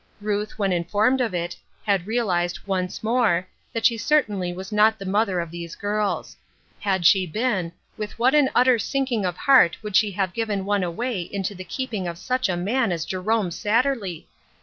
Ruth, when informed of it, had realized, once more, that she certainly was not the mother of these girls ; had she been, with what an utter sinking of heart would she have given one away into the keeping of such a man as Jerome Satterley